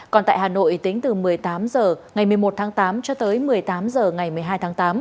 còn tại hà nội tính từ một mươi tám h ngày một mươi một tháng tám cho tới một mươi tám h ngày một mươi hai tháng tám